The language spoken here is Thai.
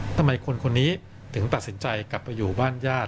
ทำไมคนคนนี้ถึงตัดสินใจกลับไปอยู่บ้านญาติ